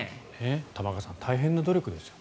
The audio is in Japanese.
玉川さん大変な努力ですよ。